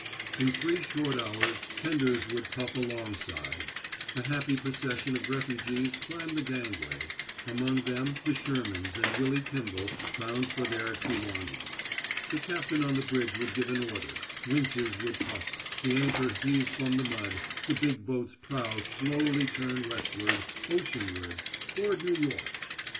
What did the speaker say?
In three short hours tenders would puff alongside; a happy procession of refugees climb the gangway among them the Shermans and Willy Kimball, bound for their Kewanee; the captain on the bridge would give an order; winches would puff, the anchor heave from the mud, the big boat's prow slowly turn westward oceanward toward New York!